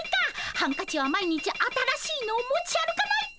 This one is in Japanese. ハンカチは毎日新しいのを持ち歩かないと！